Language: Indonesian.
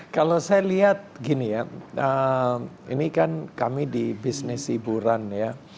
kalau saya lihat gini ya ini kan kami di bisnis hiburan ya